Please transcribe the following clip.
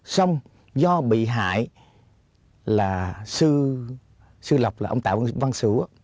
xong do bị hại là sư lộc là ông tạo văn sửu